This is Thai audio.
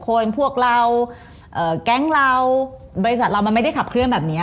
คนพวกเราแก๊งเราบริษัทเรามันไม่ได้ขับเคลื่อนแบบนี้